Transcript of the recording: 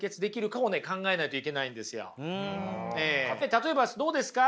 例えばどうですか？